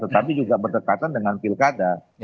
tapi juga berdekatan dengan filkada